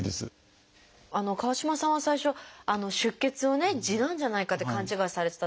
川島さんは最初出血をね痔なんじゃないかって勘違いされてた。